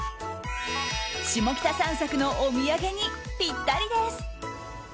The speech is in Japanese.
下北散策のお土産にぴったりです。